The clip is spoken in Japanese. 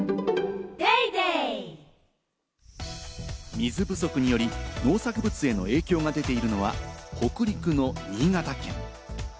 水不足により農作物への影響が出ているのは北陸の新潟県。